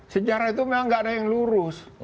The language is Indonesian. sejarah itu memang gak ada yang lurus